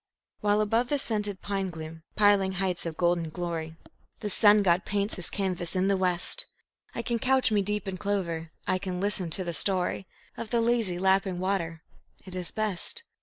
While above the scented pine gloom, piling heights of golden glory, The sun god paints his canvas in the west, I can couch me deep in clover, I can listen to the story Of the lazy, lapping water it is best.